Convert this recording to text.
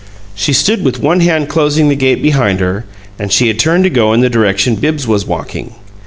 She stood with one hand closing the gate behind her, and she had turned to go in the direction Bibbs was walking.